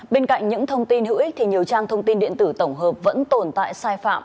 bên cạnh những thông tin hữu ích thì nhiều trang thông tin điện tử tổng hợp vẫn tồn tại sai phạm